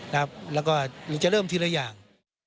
แล้วก็หรือจะเริ่มทีละอย่าง